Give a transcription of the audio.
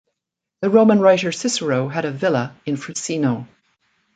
The Roman writer Cicero had a "villa" in Frusino.